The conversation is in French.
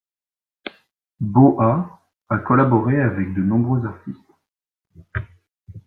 BoA a collaboré avec de nombreux artistes.